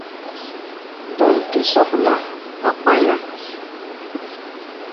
Dɔ̂n tɛ́ sɔk ná, ɔ́ kpá̧yá̧.